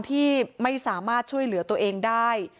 ที่ไม่สามารถช่วยเหลือตัวเองได้